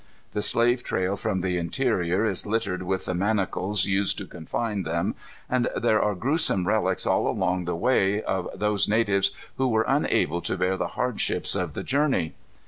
The slave trail from the interior is littered with the manacles used to confine them, and there are gruesome relics all along the way, of those natives who were unable to bear the hardships of the journey.